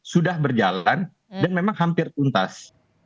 sudah berjalan dan memang hampir tuntas